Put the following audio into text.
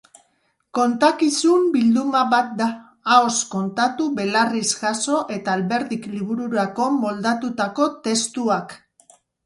Kontakizun bilduma bat da: ahoz kontatu, belarriz jaso eta Alberdik libururako moldatutako testuak.